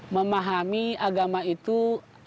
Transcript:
memahami agama itu ada empat jenis